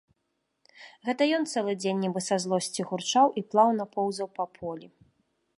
Гэта ён цэлы дзень нібы са злосці гурчаў і плаўна поўзаў па полі.